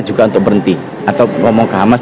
juga untuk berhenti atau ngomong ke hamas